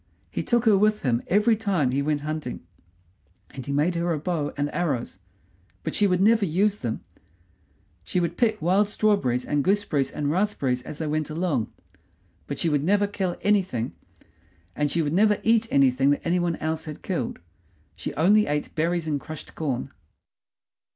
He took her with him every time he went hunting, and he made her a bow and arrows, but she would never use them; she would pick wild strawberries and gooseberries and raspberries as they went along, but she would never kill anything; and she would never eat anything that any one else had killed. She only ate berries and crushed corn.